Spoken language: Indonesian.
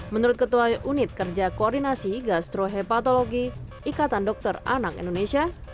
menurut ketua unit kerja koordinasi gastrohepatologi ikatan dokter anak indonesia